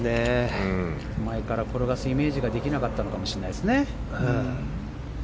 前から転がすイメージができなかったのかもしれないね。